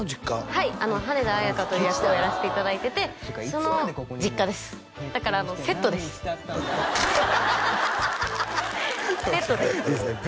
はい羽田綾華という役をやらせていただいててその実家ですだからセットですセットですいいですねべ